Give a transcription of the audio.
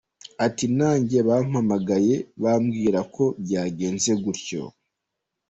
Ati “Nanjye bampamagaye babimbwira ko byagenze gutyo.